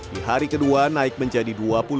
di hari kedua naik menjadi dua puluh dua